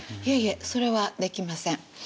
いえいえそれはできません。